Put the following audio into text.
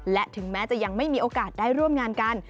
และถึงแม้จะยังไม่มีโอกาสได้ร่วมงานกัน